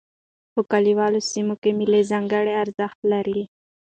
په کلیوالو سیمو کښي مېلې ځانګړی ارزښت لري.